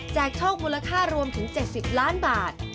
แจกโชคมูลค่ารวมถึงเจ็ดสิบล้านบาท